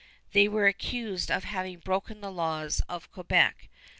They were accused of having broken the laws of Quebec.